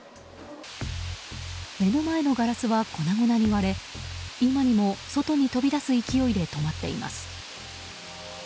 目の前のガラスは粉々に割れ今にも外に飛び出す勢いで止まっています。